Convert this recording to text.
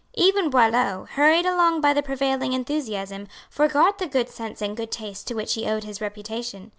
Even Boileau, hurried along by the prevailing enthusiasm, forgot the good sense and good taste to which he owed his reputation.